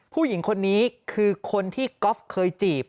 ผู้หญิงคนนี้คือคนที่ก๊อฟเคยจีบ